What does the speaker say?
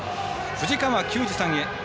藤川球児さんへ。